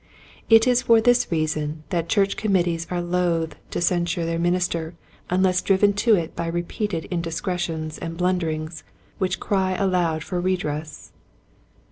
It is for this reason that church committees are loath to cen sure their minister unless driven to it by repeated indiscretions and blunderings which cry aloud for redress.